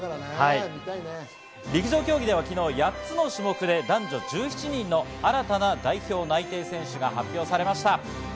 陸上競技では昨日、８つの種目で男女１７人の新たな代表内定選手が発表されました。